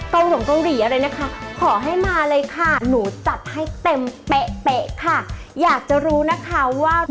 เดี๋ยวต้องไปจิตตามชมกันนะคะว่าหนูอะสุดยอดแค่ไหน